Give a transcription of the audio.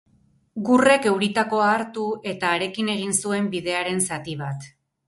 Gurrek euritakoa hartu eta harekin egin zuen bidearen zati bat.